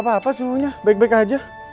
gapapa semuanya baik baik aja